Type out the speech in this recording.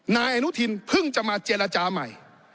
นายอนุทินเพิ่งจะมาเจรจาใหม่